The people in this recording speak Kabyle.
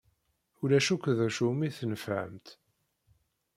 Ulac akk d acu umi tnefɛemt.